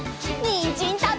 にんじんたべるよ！